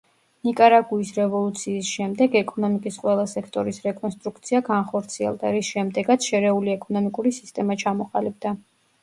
ნიკარაგუის რევოლუციის შემდეგ ეკონომიკის ყველა სექტორის რეკონსტრუქცია განხორციელდა, რის შემდეგაც შერეული ეკონომიკური სისტემა ჩამოყალიბდა.